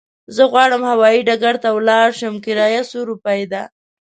زه غواړم هوايي ډګر ته ولاړ شم، کرايه څو روپی ده؟